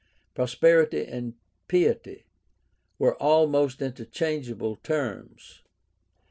Prosperity and piety were almost interchangeable terms.